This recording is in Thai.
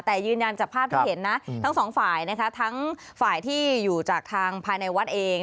แต่ยืนยันจากภาพที่เห็นนะทั้งสองฝ่ายนะคะทั้งฝ่ายที่อยู่จากทางภายในวัดเอง